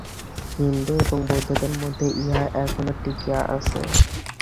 হিন্দু এবং বৌদ্ধদের মধ্যে ইহা এখনও টিকিয়া আছে।